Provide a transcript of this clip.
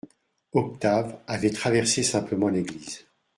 Octave avait traversé simplement l'église.